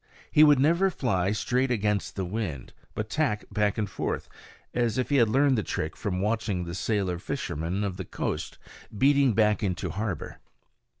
He would never fly straight against the wind, but tack back and forth, as if he had learned the trick from watching the sailor fishermen of the coast beating back into harbor.